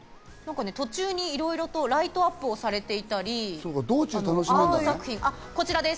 途中にいろいろライトアップをされていたり、アート作品、こちらです。